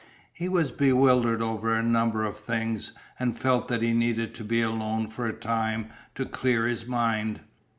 He was bewildered over a number of things, and felt that he needed to be alone for a time to clear his mind.